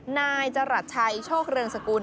นายจรัสชัยโชคเริงสกุล